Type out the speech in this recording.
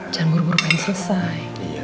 jangan buru buru kali selesai